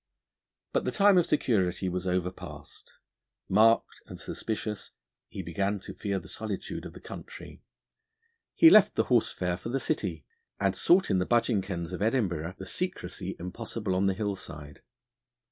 But the time of security was overpast. Marked and suspicious, he began to fear the solitude of the country; he left the horse fair for the city, and sought in the budging kens of Edinburgh the secrecy impossible on the hill side.